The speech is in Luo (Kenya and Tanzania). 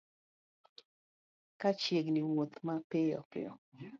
Ka chiegni wuoth mapiyo piyo